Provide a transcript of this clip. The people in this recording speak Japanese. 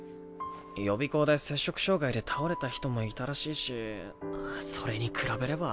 予備校で摂食障害で倒れた人もいたらしいしそれに比べれば。